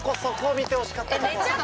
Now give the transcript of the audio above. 見てほしかったとこ。